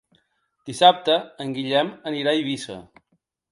Dissabte en Guillem anirà a Eivissa.